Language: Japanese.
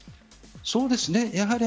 そうですね。